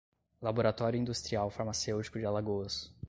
Laboratório Industrial Farmacêutico de Alagoas